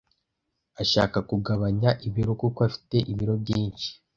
Ashaka kugabanya ibiro kuko afite ibiro byinshi.